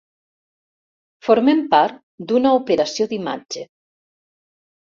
Formem part d'una operació d'imatge.